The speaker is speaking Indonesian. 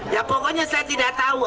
ya pokoknya saya tidak tahu